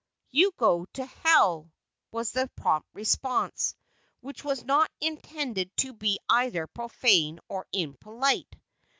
"You go to Hell," was the prompt response; which was not intended to be either profane or impolite.